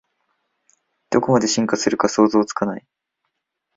どこまで進化するか想像つかない